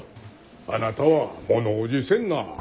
あなたは物おじせんな。